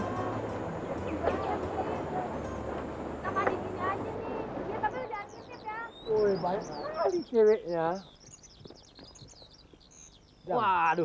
iya tapi lu jangan sisip nen